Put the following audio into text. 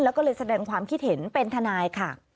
แล้วก็เลยแสดงความคิดเห็นเป็นทนายค่ะ